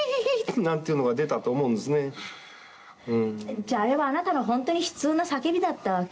じゃああれはあなたの本当に悲痛な叫びだったわけ？